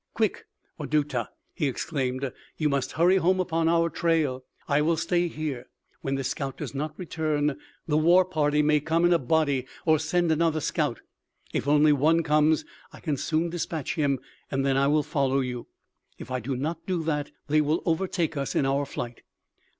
"'Quick, Wadutah!' he exclaimed; 'you must hurry home upon our trail. I will stay here. When this scout does not return, the war party may come in a body or send another scout. If only one comes, I can soon dispatch him and then I will follow you. If I do not do that, they will overtake us in our flight.'